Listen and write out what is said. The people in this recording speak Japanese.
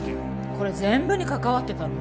これ全部に関わってたの？